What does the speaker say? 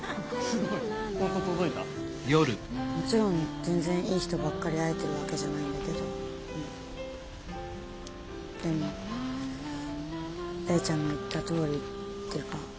もちろん全然いい人ばっかり会えてるわけじゃないんだけどうんでも玲ちゃんの言ったとおりってかすごい何だろ気が楽。